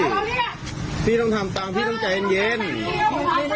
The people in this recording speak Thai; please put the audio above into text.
ไม่ต้องเลยเค้าทำตามจิ้วพี่ใจเย็นเย็นพอแล้วพี่เงียบได้แล้ว